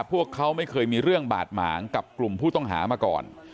พวกเขาไม่เคยมีเรื่องบาดหมางกับกลุ่มผู้ต้องหามาก่อน